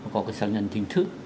có cái sáng nhận chính thức